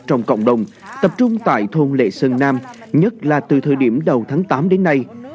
trong cộng đồng tập trung tại thôn lệ sơn nam nhất là từ thời điểm đầu tháng tám đến nay